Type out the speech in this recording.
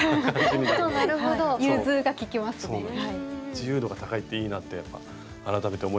自由度が高いっていいなって改めて思いましたけども。